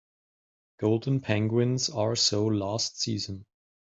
Golden penguins are so last season.